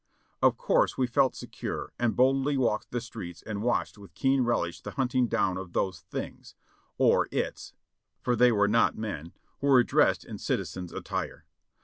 Of course we felt secure, and boldly walked the streets and watched with keen relish the hunting down of those Things, or Its (for they were not men), who were dressed in citizen's attire.